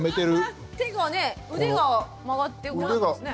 手がね腕が曲がって動いてますね。